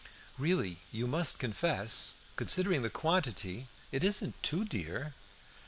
"Really, you must confess, considering the quantity, it isn't too dear."